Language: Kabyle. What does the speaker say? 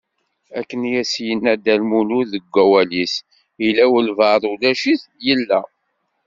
Akken i as-yenna dda Lmulud deg wawal-is: Yella walebɛaḍ ulac-it, yella.